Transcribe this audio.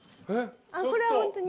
これはホントに。